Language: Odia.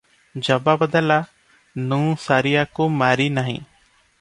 ଜବାବ ଦେଲା- "ନୁଁ ସାରିଆକୁ ମାରିନାହିଁ ।